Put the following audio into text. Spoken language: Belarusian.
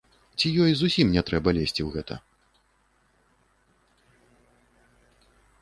Ці ёй зусім не трэба лезці ў гэта?